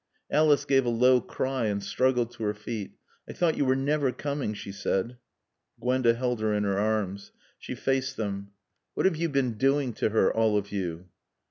Alice gave a low cry and struggled to her feet. "I thought you were never coming," she said. Gwenda held her in her arms. She faced them. "What have you been doing to her all of you?"